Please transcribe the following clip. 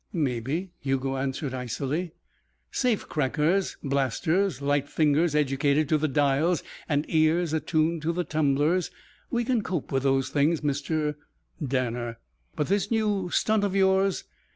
"Maybe," Hugo answered icily. "Safe crackers blasters, light fingers educated to the dials, and ears attuned to the tumblers we can cope with those things, Mr. " "Danner." "But this new stunt of yours.